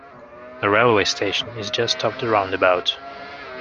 The railway station is just off the roundabout